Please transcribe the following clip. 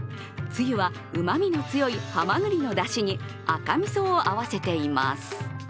つゆはうまみの強いハマグリのだしに赤みそを合わせています。